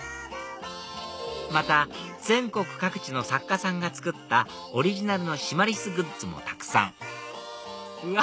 また全国各地の作家さんが作ったオリジナルのシマリスグッズもたくさんうわ